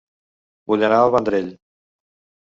Vull anar a El Vendrell